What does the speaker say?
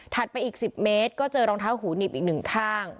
ถัดไปอีก๑๐เมตรเจอรองเท้าหูนีบ๑ข้าง